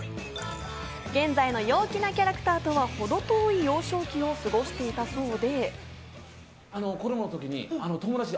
現在の陽気なキャラクターとはほど遠い幼少期を過ごしていたそうで。